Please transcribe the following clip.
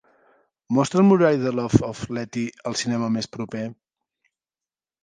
mostra'm l'horari de The Loves of Letty al cinema més proper